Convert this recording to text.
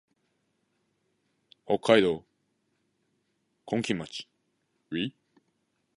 北海道今金町